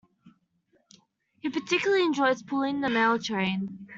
He particularly enjoys pulling the mail train.